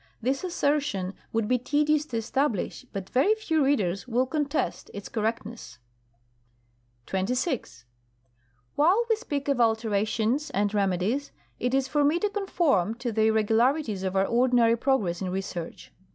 This assertion would be tedious to establish, but very few readers will con test its correctness. XOX: While we speak of alterations and remedies it is for me to conform to the irregularity of our ordinary progress in research.